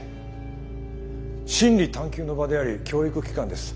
真理探究の場であり教育機関です。